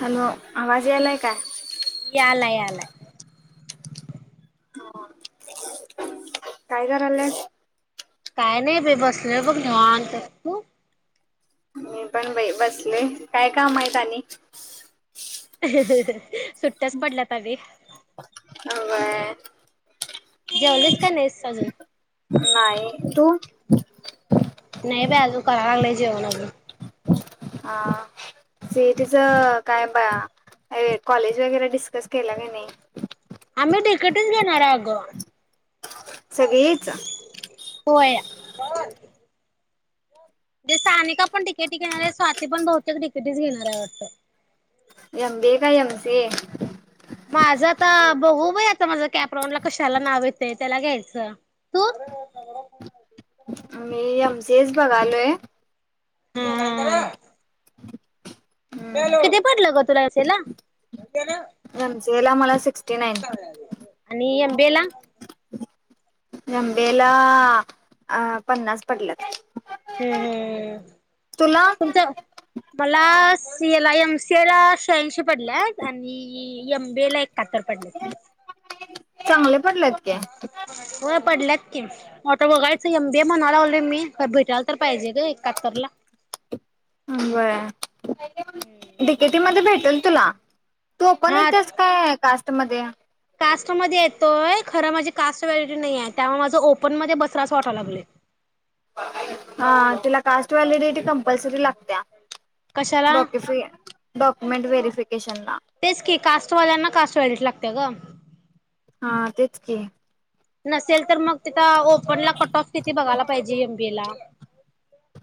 Hello आवाज यालाय यालाय यालाय हो काय करल्यास काय नाही बाई बसलोय बघ निवांत तू मी पण बाई बसलोय काय काम आहेत आणि [unintelligible] सुट्ट्याच पडल्यात अगं होय जेवलीस का नाहीस अजून? नाही तू [inaudible] नाही बाई अजून करा लागलोय जेवण अजून हां सी इ टी च काय ब काय कॉलेज वगैरे डिस्कस केला की नाही? आम्ही डीकेटी च घेणार आहे अगं सगळीच होय [unintelligible] ते सानिका पण तडीकेटी घेणार आहे स्वाती पण बहुतेक डीकेटीच घेणार आहे वाटत एम बी ऐ का एम सी ऐ माझं आता बघू बाई आता माझ कॅपराऊड ला कशाला नाव येते त्याला घ्यायचं तू मी एमसीए च बघालोय हूं [unintelligible] हूं हूं [unintelligible] किती पडल ग तुला असेल ना एमसीए ला मला सिक्स्टी नाईन आणि एमबीएला एमबीए ला अ पन्नास पडल्यात हूं हूं तुला तुमचं मला एम सी ए ला शहाऐंशी पडल्यात आणि एम बी ला एक शात्तर पडले [unintelligible] चांगलं [unintelligible] होय पडल्यात की मग आता बघायच एम बी ए म्हणायला लागलोय मी भेटायला तर पाहिजे एकाहत्तर ला बरं डीकेटीमध्ये भेटल तुला तू ओपन हा येतेस काय? काय कास्ट? कास्ट मध्ये कास्ट मध्ये येतोय खर माझी कास्ट व्हलिडिटी नाही आहे त्यामुळे माझं ओपन मध्ये बसलं अस वाटाया लागलय हा तुला कास्ट व्हॅलिडिटी कम कशाला [unintelligible] मेंन व्हेरीफिकेशनला तेच की कास्टवाल्यांना कास्ट व्हॅलिडिटी लागतत्या ग हा तेच की नसेल तर मग तिथ ओ ओपनला कट ऑफ किती बघायला पाहिजे एम बी ए ला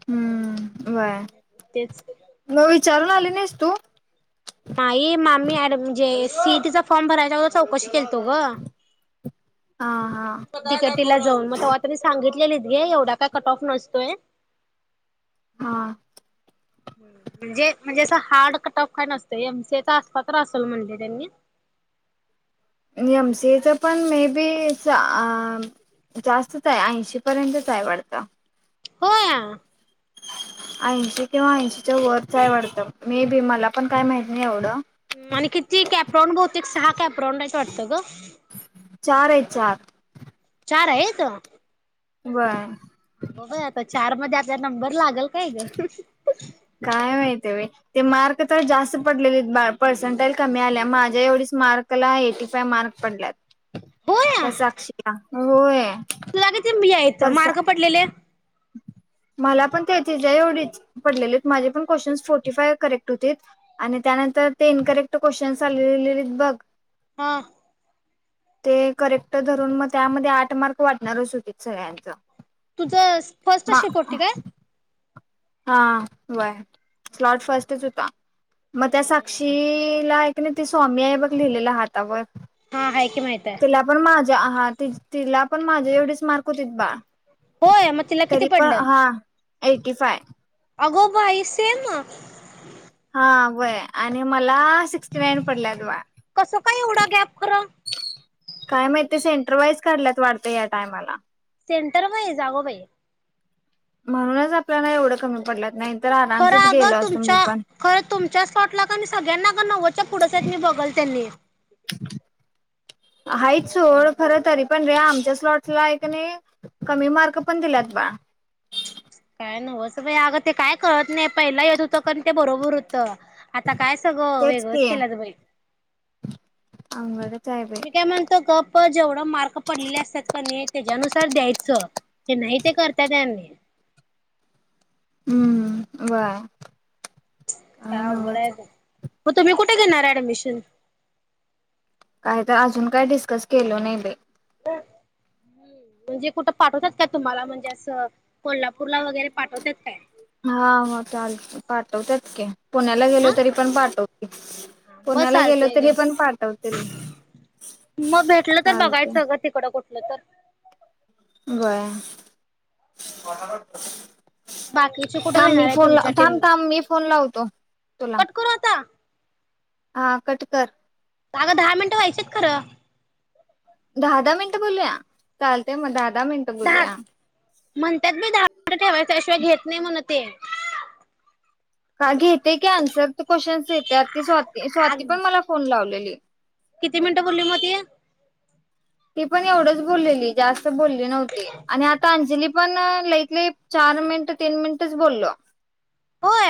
हूं तेच व्हय चारून आली नाईस तू नाई मामी म्हनजे सीईटीचा फॉर्म भरायच्या आगोदर चौकशी केल [inaudible] हा हा तिथे तिला जाऊन म तवा तिनी सांगितलेली ए एवढा काय कट ऑफ नसतोय हा म्हणजे म्हणजे असं हार्ड कटऑफ काय नसतंय एमसीएचा आसला तर असेल म्हणले त्यांनी एमसीएचा पण मे बी च अं जास्तच आहे ऐंशी पर्यंतच आहे वाढत होया ऐंशी किंवा ऐंशीच्या वरचय वाडतं मे बी मला पण काय माहती नाय एवढं आणि किती कॅप्रॉन बहुतेक सहा कॅप्रॉड आहेत वाटत ग चार आहे चार चार आहेेत. व्हय अगबय आता चार मध्ये आ जर नंबर लागल काय ग काय माहितीय बाय ते मार्क तर जास्त पडलेलेत पर्सेंटेज कमी आल्या माझ्या एवढीच मार्कला एटी फायव मार्क पडल्यात त्या साक्षी ला होय. [inaudible] [unintelligible] यायच परसा मार्क पडलेले मला पण त्याचेच एवढीच पडलेलेत माझे पण क्वेचन् फोर्टी फाय करेक्ट होते आणि त्यानंतर ते इनकरेक्ट क्वेशन्स आलेलेले त बघ हा ते करेक्ट धरून म त्यामध्ये आठ मार्क वाटणारच होते सगळ्यांच तुझ फर्स्ट शिप होती काय? हा व्हय लॉर्ट फर्स्टच होता मग त्या साक्षीला ती ने ते स्वामी आहे बघ लिहिलेल हातावर हा हाय की माहित आहे. तिला पण मा हा हा ती तिला पण माझे एवढीच मार्क होतेत बा होय मग तिला किती तरी पण पडल्यात हा एटी फाय अगोबाई सेम म हा व्हय आणि म तिला सिक्सटि नाईन पडल्यात बा कसं काय एवढा गॅप खरं काय माहित ते सेंटरवाईज काढल्यात वाटतय या टायमाला सेंटर वाईज, अगो बाई! म्हणूनच आपल्याला एवढ कमी पडल्यात ना खर अग तुमच्या खर तुमच्या स्पॉट ला सगळ्यांना का नव्वदच्या पुढच आहेत मी बघल त्यांनी हाच सोड खर तरी पण रे, आमच्या स्लॉटला हकीकत नाय कमी मार्क पण दिल्यात बा काय नव्ह अस बाई अगं ते काय कळत नाही पहिला येत होत कनी ते बरोबर हो आता काय सगळं तेच वेगळच की केलत बई [unintelligible] मी काय म्हणतो गप प जेवढ मार्क पडलेले असतात का नाय, त्याच्यानुसार द्यायच हे नाय ते करतात यांनी हम्म हं व्हय काय अवघड हाय बघ, मग तुम्ही कुठे घेणार ऍडमिशन? काही तर अजून काय डिस्कस केल नाही बाई ह म्हणजे कुठं पाठवतात का तुम्हाला म्हणजे, असं कोल्हापूरला वगैरे पाठवतात काय? हा मग चाल पाठवत्यात की, पुण्याला गेलो हा तरी पण पाठवतील, मग पुण्याला गेलो चालतंय घे तरी पण पाठवतील, चालते नंतर बर बाकीचे कुठे थांब घेणार मी आहे फोन तुमच्या थांब टेस्ट, थांब मी फोन लावतो तुला कट करू आता? हा कटकर अगं दहा मिनिटं व्हायचेत खरं दहा दहा मिनिटं बोलूया चालतय मग, दहा दहा मिनिटं दहा बोलूया. म्हणतात मी दहा मिनिट ठेवायच आहे [unintelligible] घेत नाही म्हण ते का घेतय की आन्सर क्वेश्चन येतात सॉलव ती स्वाती पण मला फोन लावले ह किती मिनिटं भरली मग ती ती पण एवढंच बोललेली, जास्त ती पण बोलली न्हवती आणि आता अंजली पण अ लई त लई चार मिनिट- तीन मिनिटच बोललो होय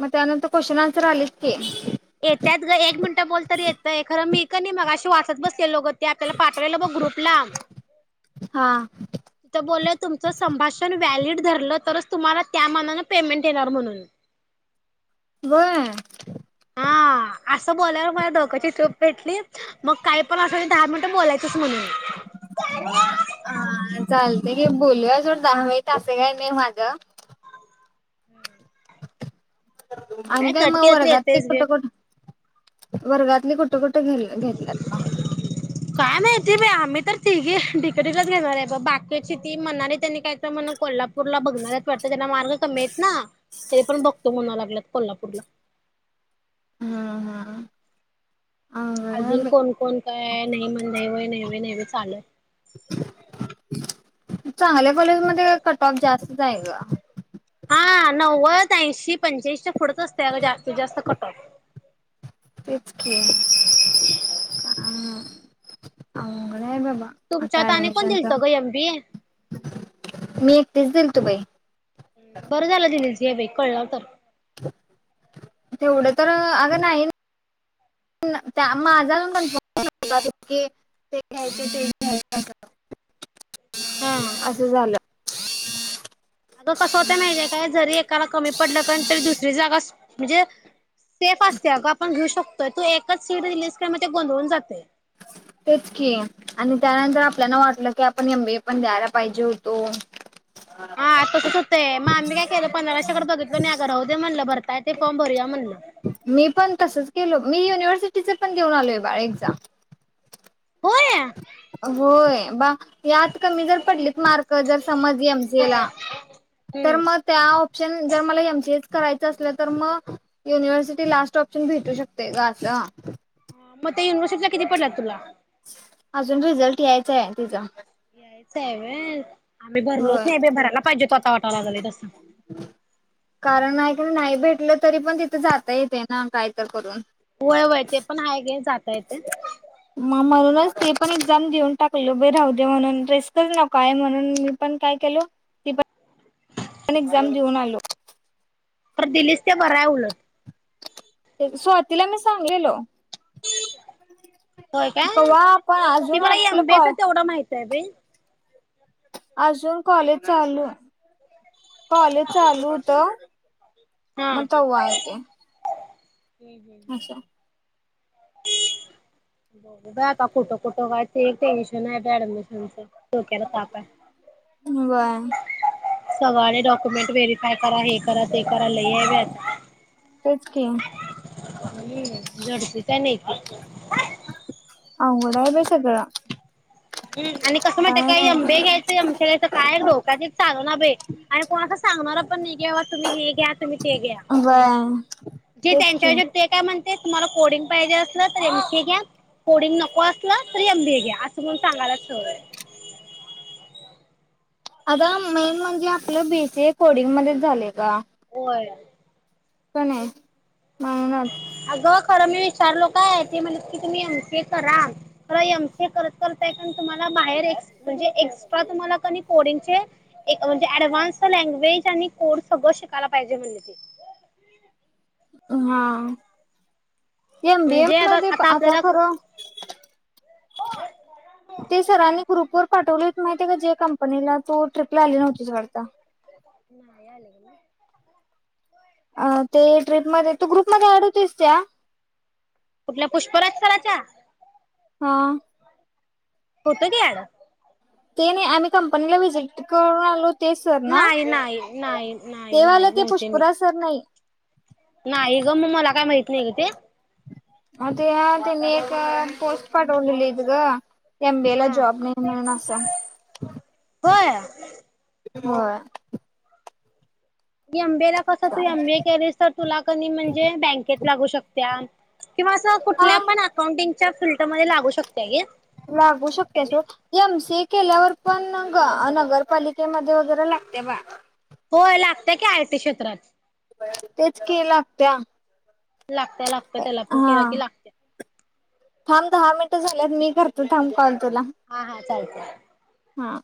मग त्यानंतर क्वेश्चन आन्सर आलेच की, येत्यात ग एक मिनिटं बोलतर येतय खरं मी कनि मी मगाशी वाचत बसलेलो ग ते आपल्याला पाठवलेल ब ग्रुपला हा ते बोलले तुमचं संभाषण व्हॅलीड धरलं तरच तुम्हाला त्या मानानं पेमेंट येणार म्हणून व्हय हा असं बोल्यावर माझी डोक्याची टुब पेटली मग काही पण असू दे दहा मिनिटं बोलायचच म्हणून हा चालतय की बोलूया सोड दहा मिनिट अस काय नाय माझ [inaudible] आणि काय कट मग केलं तरी वर्गात ते येतयच कुठ घे. कुठ वर्गातली कु कुठ कुठं घ घेतलंत म काय माहिती बाई आम्ही तर तीघी डी. के. टी. लाच घेणार हाय बघ, बाकीची ती मनाली तेनी काय तर म्हण कोल्हापूरला बघणारायत वाटतं त्यांना मार्क कमी हायत ना. तरी पण बघतो म्हणा लागल्यात कोल्हापूरला. हां हां अजून कोण कोण काय नाही म्हण नाही व्हय नाही व्हय नाही व्हय चालूये चांगल्या कॉलेज मध्ये कट ऑफ जास्त आहे ग हा नव्वद ऐंशी पंच्याऐंशीच्या पुुढच असतय अ गं जास्तीत जास्त कटऑफ तेच की हा अंगत नाही बाबा आता तुमच्यात आणि कोण ऍडमिशनचा दिलतं ग एम बी ए मी तीस दिलत बाई बरं झालं दिलीस यबाई कळलं तर तेवढं तर अगं नाही न त्या माझा [inaudible] हा असं झालं [inaudible] अगं कसं होत माहितीे काय जरी एकाला कमी पडलं का तरी दुसरी जागा म्हणजे सेफ असते अगं आपण घेऊ शकतोय तू एकच सीट रिलीज क म ते गोंधळून जातय तेच की आणि त्यानं तर आपल्याला वाटलं की आपण एमबीए पण द्यायला पाहिजे होतो. हा तसच होतय म आम्ही काय केलं पंधराशे कड बघितलं नाय अग राहूदे म्हणलं भर काय ते फॉर्म भरूया म्हणलं मी पण तसच केल मी युनिव्हर्सिटीचे पण देऊन आलोय बाळ एक्झाम होया होय बा हे आत कमी जर पडले मार्क जर समज एमसीए ला होय तर मग हम्म त्या ऑप्शन जर मला एमसीएच करायच असलं तर म युनिव्हर्सिटी लास्ट ऑप्शन भेटू शकते ग असा म ते युनवर्सिटीच्या किती पडलेत तुला अजून रिझल्ट यायचा आहे तिजा यायच हाय व्हय आम्ही भरलोच होय नाही भरायला पाहिजे तो आता वाटायला झालंय तसं कारण नाही का नाही भेटलं तरी पण तिथे जाता येते ना काय त करून होय व्हय ते पण आहे घे जाता येतय म म्हणूनच ती पण एक्झाम देऊन टाकल बाई राहुदे म्हणून रीस्कच नकोय म्हणून मी पण काय केलो ती पण पण एक्झाम देऊन आलो तर दिलीस ते बराय उलट ते स्वातीला मी सांगलेलो होय का कव्हा आपण ते अजून मला आपलं कॉ एमबीए तेवढ माहि [inaudible] अजून कॉलेज चालू कॉलेज चालू होत हा मग तवा येते हूं हूं हूं हूं बग बाई आता कुठं कुठं काय ते एक टेन्शन आहे ऍडमिशनच डोक्याला ताप हाय व्हय सगळनी डॉक्युमेंट व्हेरीफाय करा हे करा ते करा लयी हाय बाय तेच की [inaudible] [unintelligible] अवघड हाय बाय सगळा हम आणि कसं माहीत का एमबीएम घायच एम सी एघायच काय डोका तेच चालना बाई आणि कोण अस सांगणार पण नाही की बाबा तुम्ही हे घ्या तुम्ही ते घ्या ब जे तेच की त्यांच्या काय ते म्हणते तुम्हाला कोडिंग पाहिजे असल तर एम सी ए घ्या कोडिंग नको असलं तर एम बी ए घ्या अस बोल सांगायला [unintelligible] अग मेन म्हणजे आपलं बीसीए कोडिंगमध्ये च झालय गं [inaudible] का नाही म्हणुनच अगं खरं मी विचारलो काय ते म्हणली कि तुम्ही एम सी ए करा खर एम सी ए करत करत त्यातुन तुम्हाला बाहेर म्हणजे एक्स्ट्रा म्हणजे तुम्हाला कणी कोडिंगचे म्हणजे ऍडव्हान्स कोर्स लँग्वेज आणि कोड सगळं शिकायला पाहिजे म्हणले ते हा एम बीए म्हणजे आता मध्ये आता आपल्याला खरं ते सरानी ग्रुपवर पाठवले माहितीय का जे कंपनीला तू ट्रिपला आली नव्हती वाटत नाही आले अ ते ट्रीपमध्ये तू ग्रुपमध्ये अँड होतीस त्या आपल्या पुष्पराज सराच्या हा होतो की ऍड ते नाही आम्ही कंपनीला विजीट करून आलो ते सर ना नाही नाही नाही नाही तेवाले नाही ते नव्हते मी पुष्पराज सर नाही नाही गं म मला काय माहित [inaudible] हा ते त्यांनी एक पोस्ट पाठवलेलीती ग एम बीए ला हा जॉब नाही मिळणार [inaudible] होय. [inaudible] गेम त्याला कस तू एमबी केलीस तर तुला कणी म्हणजे बँकेत लागू शकतीया. किंवा अस हा कुठल्या पण अकाउंटिंग त्या फिल्टरमध्ये लागू शक लागू शकतिया सोड एम सि ए केल्यावर पण नगरपालिकेमध्ये वगैरे लागतिया बा होय लागत्या की आयटी क्षेत्रात तेच की लागत्या लागत्या लागत्या त्याला पण केलं हा की लागत्या थांब दहा मिनटं झाल्यात मी करतो थांब कॉल तुला हा हा चालतय. [unintelligible] हा आ